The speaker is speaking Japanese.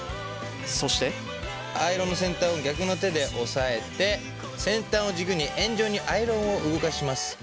そしてアイロンの先端を逆の手で押さえて先端を軸に円状にアイロンを動かします。